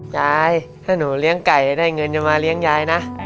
ยายถ้าหนูเลี้ยงไก่ได้เงินจะมาเลี้ยงยายนะ